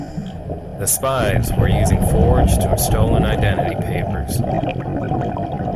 The spies were using forged or stolen identity papers.